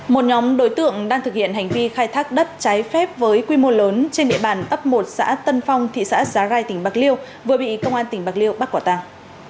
một nhóm đối tượng đang thực hiện hành vi khai thác đất trái phép với quy mô lớn trên địa bàn ấp một xã tân phong thị xã giá rai tỉnh bạc liêu vừa bị công an tỉnh bạc liêu bắt quả tàng